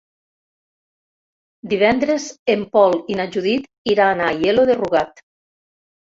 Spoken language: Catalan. Divendres en Pol i na Judit iran a Aielo de Rugat.